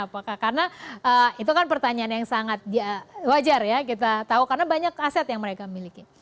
apakah karena itu kan pertanyaan yang sangat wajar ya kita tahu karena banyak aset yang mereka miliki